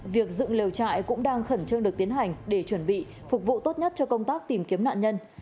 việc dựng lều trại cũng đang khẩn trương được tiến hành để chuẩn bị phục vụ tốt nhất cho công tác tìm kiếm nạn nhân